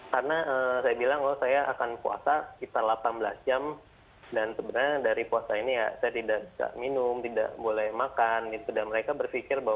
karena saya bilang loh saya akan puasa kita delapan belas jam dan sebenarnya dari puasa ini ya saya tidak minum tidak boleh makan dan mereka berpikir bahwa